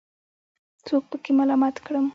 څوک پکې ملامت کړم.